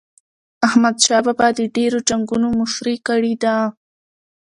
احمد شاه بابا د ډیرو جنګونو مشري کړې ده.